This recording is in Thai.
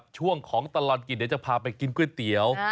ช่วงของตลอดกินเดี๋ยวจะพาไปกินก๋วยเตี๋ยว